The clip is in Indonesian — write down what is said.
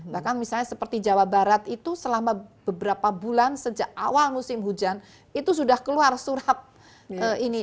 bahkan misalnya seperti jawa barat itu selama beberapa bulan sejak awal musim hujan itu sudah keluar surat ini